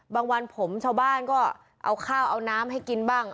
วันผมชาวบ้านก็เอาข้าวเอาน้ำให้กินบ้าง